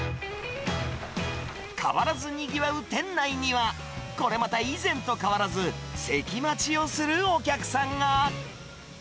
変わらずにぎわう店内には、これまた以前と変わらず、席待ちをするお客さんが。